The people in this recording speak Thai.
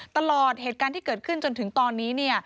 ตลอดเหตุการณ์ที่เกิดขึ้นจนถึงตอนนี้